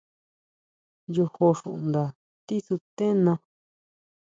Yojó xunda tisutena.